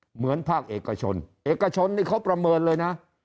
เหมือนภาคเอกชนเอกชนนี่เขาประเมินเลยนะ